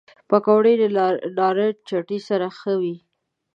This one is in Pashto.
پکورې له نارنج چټني سره ښه وي